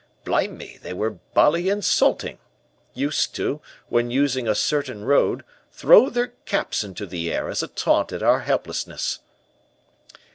Blime me, they were bally insulting. Used to, when using a certain road, throw their caps into the air as a taunt at our helplessness.